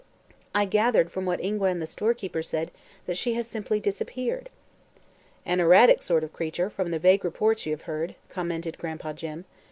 "I gathered from what Ingua and the storekeeper said that she has simply disappeared." "An erratic sort of creature, from the vague reports you have heard," commented Gran'pa Jim.